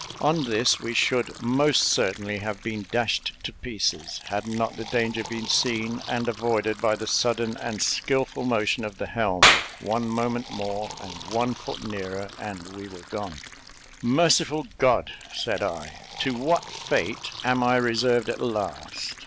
On this we should most certainly have been dashed to pieces, had not the danger been seen and avoided by the sudden and skilful motion of the helm; one moment more, and one foot nearer, and we were gone. "Merciful God!" said I, "to what fate am I reserved at last?